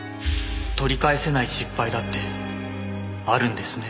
取り返せない失敗だってあるんですね。